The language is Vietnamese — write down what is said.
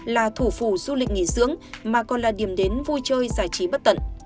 là thủ phủ du lịch nghỉ dưỡng mà còn là điểm đến vui chơi giải trí bất tận